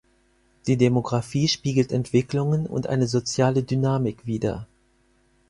Die Demographie spiegelt Entwicklungen und eine soziale Dynamik wider.